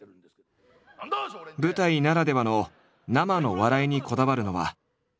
舞台ならではの生の笑いにこだわるのは飯塚も同じだ。